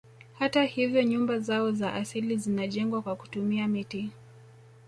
Hata hivyo nyumba zao za asili zinajengwa kwa kutumia miti